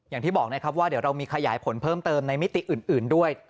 อย่างที่บอกนะครับว่าเดี๋ยวเรามีขยายผลเพิ่มเติมในมิติอื่นด้วย